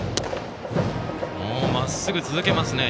まっすぐを続けます。